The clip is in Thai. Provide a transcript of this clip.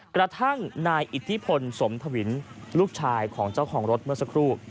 กระทั่งนายอิทธิพลสมทวินลูกชายของเจ้าของรถเมื่อสักครู่